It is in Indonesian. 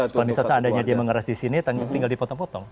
kalau misalnya seandainya dia mengeras di sini tinggal dipotong potong